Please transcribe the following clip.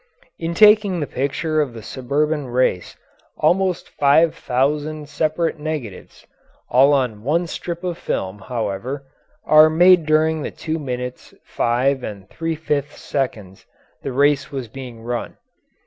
In taking the picture of the Suburban race almost five thousand separate negatives (all on one strip of film, however) were made during the two minutes five and three fifths seconds the race was being run.